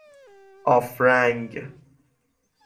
آفرنگ